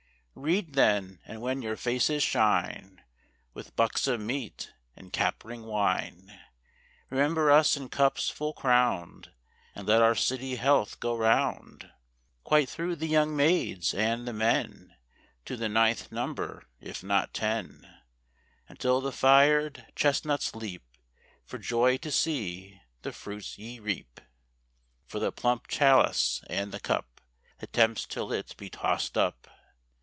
Read then, and when your faces shine With buxom meat and cap'ring wine, Remember us in cups full crown'd, And let our city health go round, Quite through the young maids and the men, To the ninth number, if not ten; Until the fired chestnuts leap For joy to see the fruits ye reap, From the plump chalice and the cup That tempts till it be tossed up.